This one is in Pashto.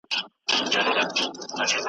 چي دي سرې اوښکي رواني تر ګرېوانه .